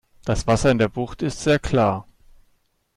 Das Wasser in der Bucht ist sehr klar.